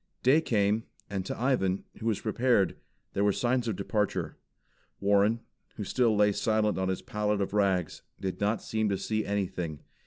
Day came, and to Ivan, who was prepared, there were signs of departure. Warren, who still lay silent on his pallet of rags, did not seem to see anything.